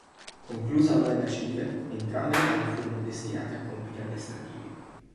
Conclusa la guerra civile, entrambe le navi furono destinate a compiti addestrativi.